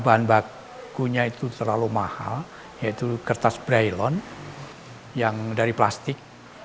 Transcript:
bahan bakunya itu terlalu mahal yaitu kertas braillon yang dari plastik